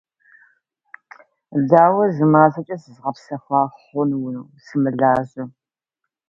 Взгляд утопал в бесконечности космоса, словно путник в звездном пространстве.